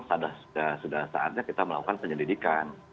sudah saatnya kita melakukan penyelidikan